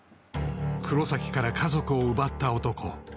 黒崎から家族を奪った男